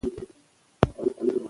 که ماشوم تل ووهل شي نو ډارن کیږي.